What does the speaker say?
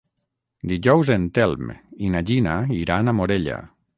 Dijous en Telm i na Gina iran a Morella.